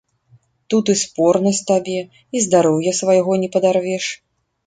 Тут і спорнасць табе і здароўя свайго не падарвеш.